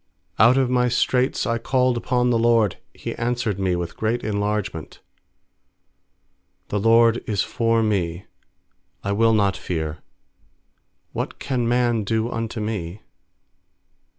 fiOut of my straits I called upon the LORD; He answered me with great en largement, i 6The LORD is forme; I will not fear; What can man do unto me?